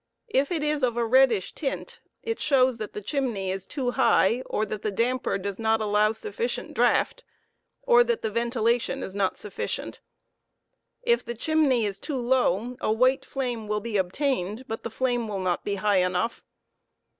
If it is of a reddish tint it shows that the chimney is too high, or that the damper does not allow sufficient draught, or that the ventilation is not sufficient. If thechimney is too low a white flame ventuation. w j]l be obtained, but the flame will not be high enough.